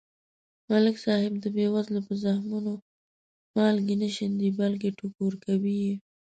ملک صاحب د بې وزلو په زخمونو مالګې نه شیندي. بلکې ټکور کوي یې.